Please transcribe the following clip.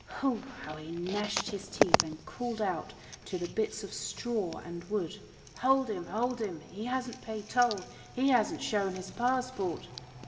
Hu! how he gnashed his teeth, and called out to the bits of straw and wood. "Hold him! hold him! He hasn't paid toll he hasn't shown his passport!"